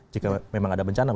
jika memang ada bencana